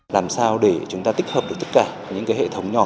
làm sao để chúng ta tích hợp được tất cả những cái hệ thống nhỏ